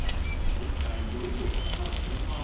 ですからいよいよここから本番。